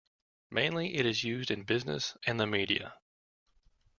Mainly it is used in business and the media.